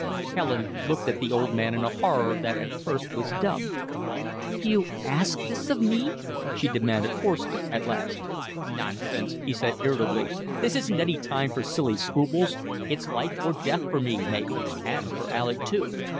Helen looked at the old man in a horror that at first was dumb. "You ask this of me?" she demanded, hoarsely, at last. "Nonsense," he said, irritably. "This isn't any time for silly scruples. It's life or death for me, maybe, and for Alec, too."